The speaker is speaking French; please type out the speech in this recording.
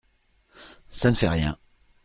Ça ne fait rien !